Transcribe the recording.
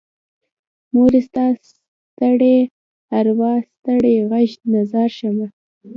مورې ستا ستړي ارواه ستړې غږ نه ځار شمه زه